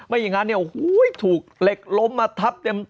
อย่างนั้นเนี่ยโอ้โหถูกเหล็กล้มมาทับเต็ม